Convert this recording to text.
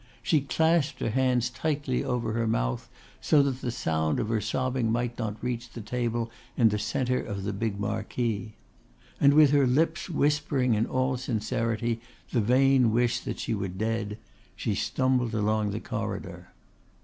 She clasped her hands tightly over her mouth so that the sound of her sobbing might not reach to the table in the centre of the big marquee; and with her lips whispering in all sincerity the vain wish that she were dead she stumbled along the corridor.